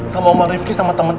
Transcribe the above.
sama omel rifki sama temen temennya